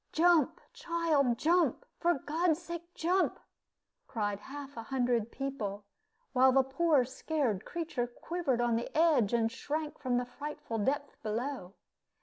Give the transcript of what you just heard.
"Jump, child, jump! for God's sake, jump!" cried half a hundred people, while the poor scared creature quivered on the ledge, and shrank from the frightful depth below.